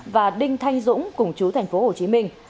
và đinh thanh dũng cùng chú thành phố hồ chí minh